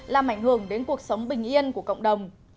làm ảnh hưởng đến cuộc sống bình yên của cộng đồng